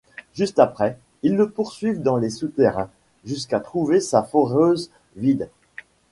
Juste après, ils le poursuivent dans les souterrains, jusqu’à trouver sa foreuse vide.